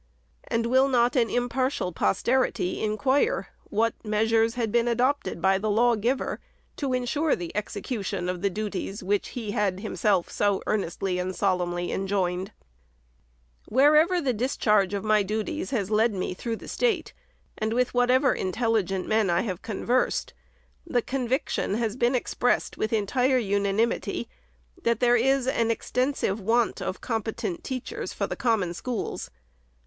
And will not an impartial posterity inquire what measures had been adopted by the lawgiver to insure the execution of the duties which he had himself so earnestly and sol emnly enjoined ? 422 THE SECRETARY'S Wherever the discharge of my duties has led me through the State, with whatever intelligent men I have conversed, the conviction has been expressed with entire unanimity, that there is an extensive want of competent teachers for the Common Schools.